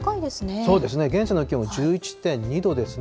そうですね、現在の気温１１．２度ですね。